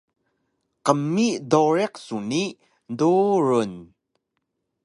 Qmi dowriq su ni durun!